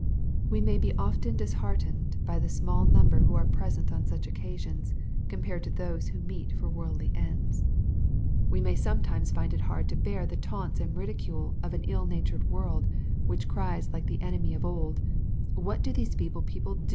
We may be often disheartened by the small number who are present on such occasions, compared to those who meet for worldly ends. We may sometime* 228 EXP06IT0BT TH017GHTS. find it hard to bear the taunts and ridicule of an ill« natured world, which cries like the enemy of old, " What do these feeble people